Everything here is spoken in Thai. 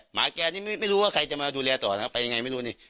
หมาแกนี่ไม่รู้ว่าใครจะมาดูแลต่อนะครับไปยังไงไม่รู้นี่